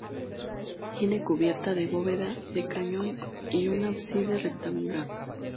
Tiene cubierta de bóveda de cañón y un ábside rectangular.